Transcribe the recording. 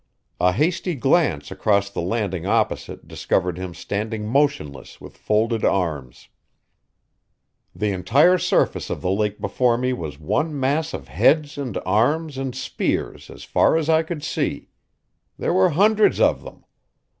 A hasty glance across the landing opposite discovered him standing motionless with folded arms. The entire surface of the lake before me was one mass of heads and arms and spears as far as I could see. There were hundreds of them.